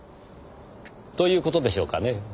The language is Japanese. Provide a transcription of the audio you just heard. という事でしょうかね？